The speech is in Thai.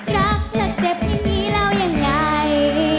รักและเจ็บอย่างนี้แล้วยังไง